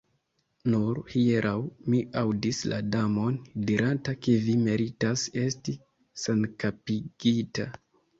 Nur hieraŭ mi aŭdis la Damon diranta ke vi meritas esti senkapigita.